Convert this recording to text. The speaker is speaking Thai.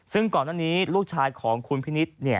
ซึ่งก่อนหน้านี้ลูกชายของคุณพินิษฐ์